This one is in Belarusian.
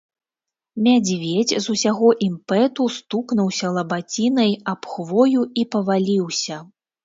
Мядзведзь з усяго імпэту стукнуўся лабацінай аб хвою і паваліўся.